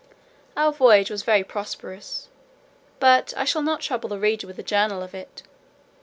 Our voyage was very prosperous, but I shall not trouble the reader with a journal of it.